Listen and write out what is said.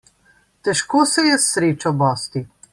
Težko se je s srečo bosti.